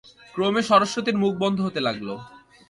ক্রমে সরস্বতীর মুখ বন্ধ হতে লাগল।